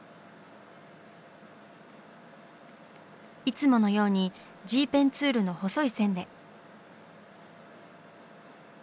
いつものようにＧペンツールの細い線で。